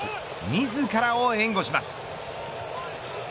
自らを援護します。